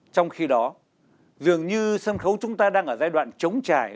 trong khi đó dường như sân khấu chúng ta đang ở giai đoạn chống trải